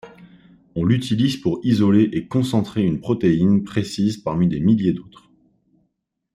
On l'utilise pour isoler et concentrer une protéine précise parmi des milliers d'autres.